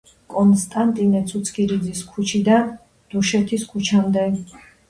კონსტანტინე ცუცქირიძის ქუჩიდან, დუშეთის ქუჩამდე.